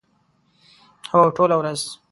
هو، ټوله ورځ